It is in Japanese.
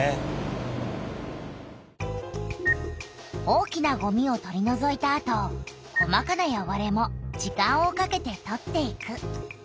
大きなごみを取りのぞいたあと細かなよごれも時間をかけて取っていく。